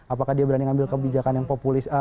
apakah dia berani ngambil kebijakan yang populis